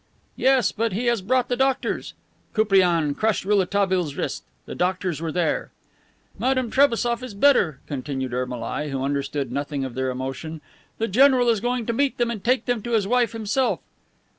"Yes, but he has brought the doctors." Koupriane crushed Rouletabille's wrist. The doctors were there! "Madame Trebassof is better," continued Ermolai, who understood nothing of their emotion. "The general is going to meet them and take them to his wife himself."